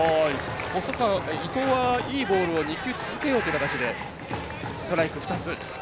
伊藤はいいボールを２球続けようという形でストライク２つ。